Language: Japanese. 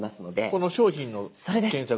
この「商品を検索」。